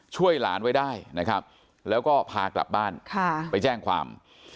ช่วยหลานไว้ได้นะครับแล้วก็พากลับบ้านไปแจ้งความ